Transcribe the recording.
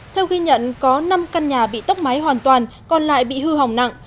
theo ghi nhận có năm căn nhà bị tốc máy hoàn toàn còn lại bị hư hỏng nặng